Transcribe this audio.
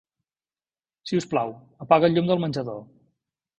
Si us plau, apaga el llum del menjador.